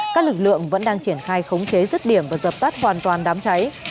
các lực lượng vẫn đang triển khai khống chế rứt điểm và dập tắt hoàn toàn đám cháy